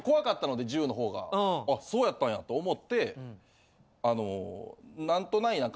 あそうやったんやと思ってなんとないなか。